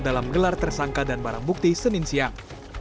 dalam gelar tersangka dan barang bukti senin siang